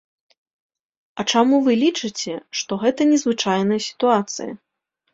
А чаму вы лічыце, што гэта незвычайная сітуацыя?